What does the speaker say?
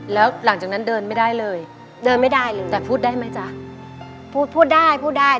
แล้วหลังจากนั้นเดินไม่ได้เลยเดินไม่ได้เลยแต่พูดได้ไหมจ๊ะพูดพูดได้พูดได้